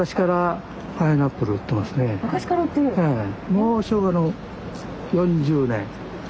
もう昭和の４０年。